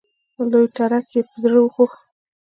لوی تړک یې په زړه وخوړ.